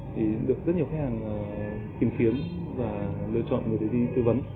thì được rất nhiều khách hàng kiểm kiến và lựa chọn người để đi tư vấn